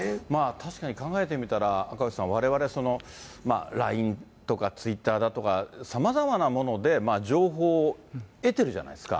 確かに考えてみたら、赤星さん、われわれ、ＬＩＮＥとか、ツイッターだとか、さまざまなもので情報を得ているじゃないですか。